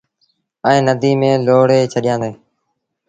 ائيٚݩ نديٚ ميݩ لوڙي ڇڏيآندي۔